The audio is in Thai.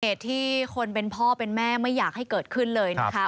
เหตุที่คนเป็นพ่อเป็นแม่ไม่อยากให้เกิดขึ้นเลยนะคะ